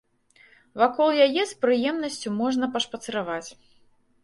Вакол яе з прыемнасцю можна пашпацыраваць.